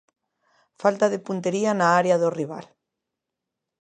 Falta de puntería na área do rival.